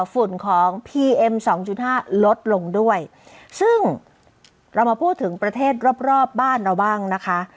ฝุ่นของพีเอ็มสองจุดห้าลดลงด้วยซึ่งเรามาพูดถึงประเทศรอบรอบบ้านเราบ้างนะคะ